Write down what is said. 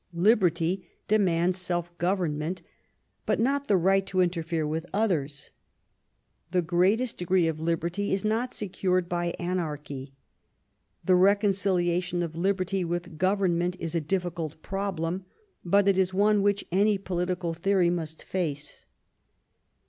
Liberty demands self government, but not the right to interfere with others. The greatest degree of liberty is not secured by anarchy. The reconciliation of liberty with government is a difficult problem, but it is one which any political theory must face.